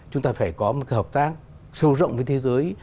chúng ta phải có một cái hợp tác sâu rộng với thế giới